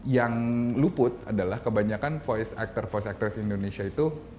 yang luput adalah kebanyakan voice actor voice actures indonesia itu